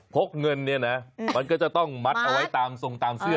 กเงินเนี่ยนะมันก็จะต้องมัดเอาไว้ตามทรงตามเสื้อ